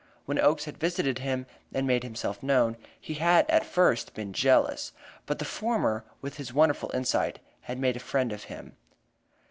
When Oakes had visited him and made himself known, he had at first been jealous; but the former, with his wonderful insight, had made a friend of him.